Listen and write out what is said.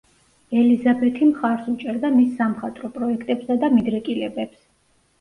ელიზაბეთი მხარს უჭერდა მის სამხატვრო პროექტებსა და მიდრეკილებებს.